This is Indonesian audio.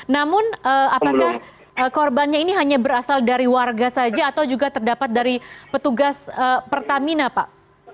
namun apakah korbannya ini hanya berasal dari warga saja atau juga terdapat dari petugas pertamina pak